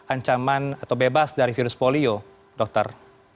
ancaman atau bebas dari virus polio dokter